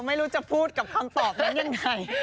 ไม่รู้จะพูดกับคำตอบนั้นยังไง